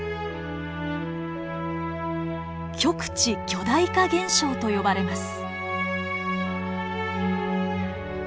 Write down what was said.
極地巨大化現象と呼ばれます。